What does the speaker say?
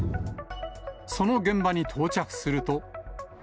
その現場に到着すると。